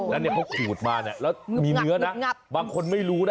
แล้วเนี่ยเขาขูดมาเนี่ยแล้วมีเนื้อนะบางคนไม่รู้นะ